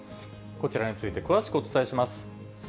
こちらについて、詳しくお伝えします。